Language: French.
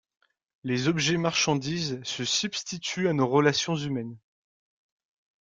Les objets-marchandises se substituent à nos relations humaines.